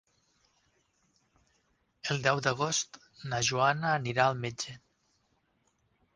El deu d'agost na Joana anirà al metge.